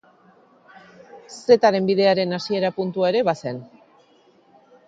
Zetaren Bidearen hasiera puntua ere bazen.